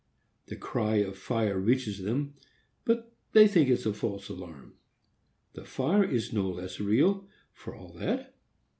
The cry of fire reaches them, but they think it a false alarm. The fire is no less real, for all that.